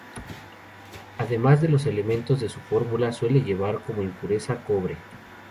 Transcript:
Además de los elementos de su fórmula, suele llevar como impureza: cobre.